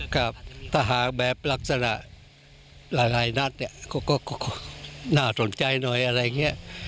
กับตาหาแบบลักษณะหลายนัดน่าสนใจหน่อยอะไรเงี้ย